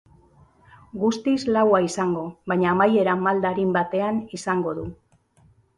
Guztiz laua izango, baina amaiera malda arin batean izango du.